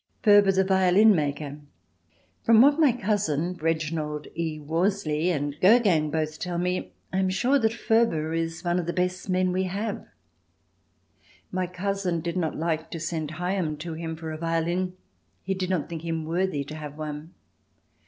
Furber the Violin Maker From what my cousin [Reginald E. Worsley] and Gogin both tell me I am sure that Furber is one of the best men we have. My cousin did not like to send Hyam to him for a violin: he did not think him worthy to have one.